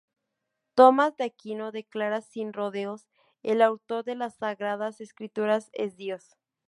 Tomás de Aquino declaró sin rodeos: "El autor de las Sagradas Escrituras es Dios".